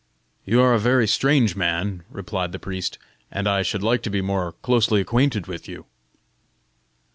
"You are a very strange man," replied the priest, "and I should like to be more closely acquainted with you."